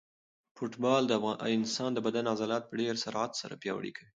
فوټبال د انسان د بدن عضلات په ډېر سرعت سره پیاوړي کوي.